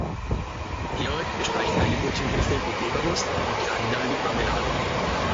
Georg bestreicht eine Brötchenhälfte mit Leberwurst und die andere mit Marmelade.